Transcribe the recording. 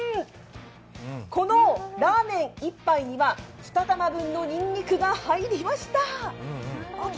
このラーメン１杯には２玉分のにんにくが入りました。